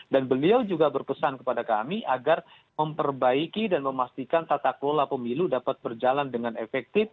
dan beliau juga berpesan kepada kami agar memperbaiki dan memastikan tata kola pemilu dapat berjalan dengan efektif